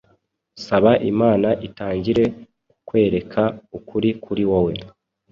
Saba Imana itangire kukwereka ukuri kuri wowe.